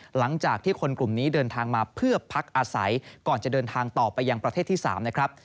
หลังจากที่คนกลุ่มนี้เดินทางมาเพื่อพักอาศัยก่อนจะเดินทางต่อไปยังประเทศที่๓นะครับ